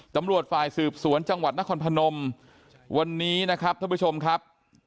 ตำรวจฝ่ายสืบสวนจังหวัดนครพนมวันนี้นะครับท่านผู้ชมครับ